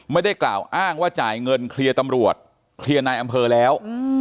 ไม่ได้กล่าวอ้างว่าจ่ายเงินเคลียร์ตำรวจเคลียร์นายอำเภอแล้ว